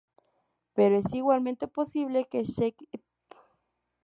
Pero es igualmente posible que Shakespeare estuviera pensando en la verdadera Iliria.